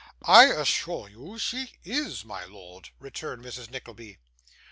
'I assure you she is, my lord,' returned Mrs. Nickleby.